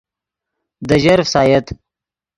دے ژر فسایت